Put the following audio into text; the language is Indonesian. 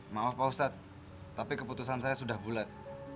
maaf pak ustadz tapi keputusan saya sudah bulat